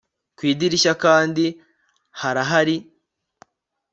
ku idirishya kandi harahari